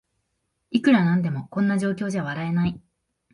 いくらなんでもこんな状況じゃ笑えない